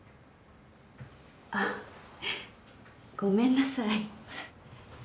あっごめんなさい。